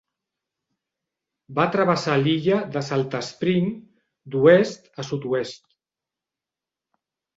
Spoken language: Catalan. Va travessar l'illa de Salt Spring d'oest a sud-oest.